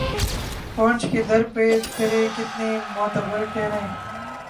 پہنچ کے در پہ ترے کتنے معتبر ٹھہرے